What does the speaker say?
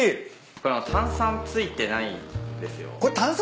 これ炭酸ついてないんですか？